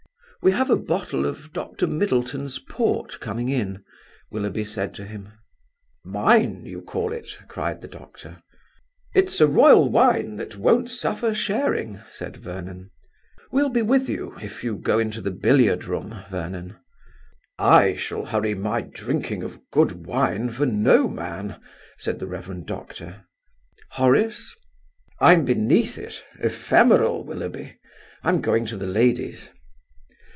"We have a bottle of Doctor Middleton's port coming in," Willoughby said to him. "Mine, you call it?" cried the doctor. "It's a royal wine, that won't suffer sharing," said Vernon. "We'll be with you, if you go into the billiard room, Vernon." "I shall hurry my drinking of good wine for no man," said the Rev. Doctor. "Horace?" "I'm beneath it, ephemeral, Willoughby. I am going to the ladies."